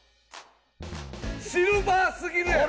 シルバーすぎるやろ！